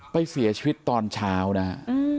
ไปเสียชีวิตตอนเช้านะฮะ